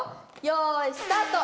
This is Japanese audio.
よいスタート！